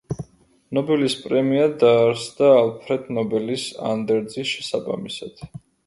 ნობელის პრემია დაარსდა ალფრედ ნობელის ანდერძის შესაბამისად.